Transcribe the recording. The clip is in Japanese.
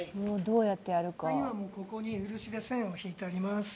今、ここに漆で線を引いてあります。